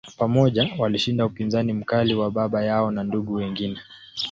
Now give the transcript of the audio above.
Pamoja, walishinda upinzani mkali wa baba yao na ndugu wengine.